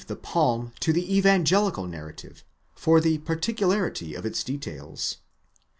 235 the palm to the evangelical narrative, for the particularity of its details.